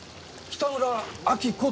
北村明子。